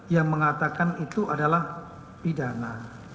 yang mengatakan itu adalah pidana